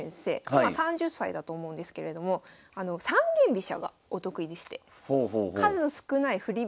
今３０歳だと思うんですけれども三間飛車がお得意でして数少ない振り